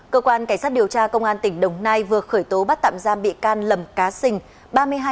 cơ quan cảnh sát điều tra công an tỉnh đồng nai vừa khởi tố bắt tạm giam bị can lầm cá sình